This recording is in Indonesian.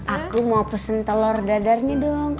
aku mau pesen telur dadarnya dong